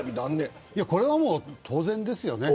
これは当然です。